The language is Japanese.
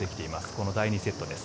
この第２セットです。